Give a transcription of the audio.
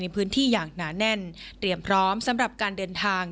ในพื้นที่อย่างหนาแน่นเตรียมพร้อมสำหรับการเดินทาง